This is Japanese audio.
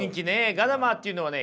ガダマーっていうのはね